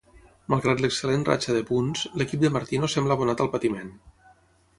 Malgrat l'excel·lent ratxa de punts, l'equip de Martino sembla abonat al patiment.